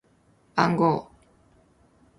番号